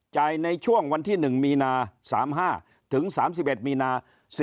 ในช่วงวันที่๑มีนา๓๕ถึง๓๑มีนา